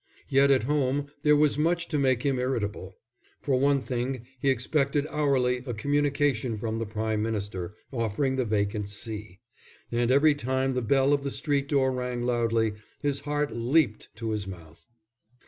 Yet at home there was much to make him irritable. For one thing he expected hourly a communication from the Prime Minister, offering the vacant See; and every time the bell of the street door rang loudly, his heart leaped to his mouth.